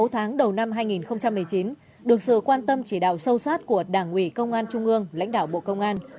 sáu tháng đầu năm hai nghìn một mươi chín được sự quan tâm chỉ đạo sâu sát của đảng ủy công an trung ương lãnh đạo bộ công an